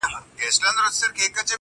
ته له چا څخه په تېښته وارخطا یې-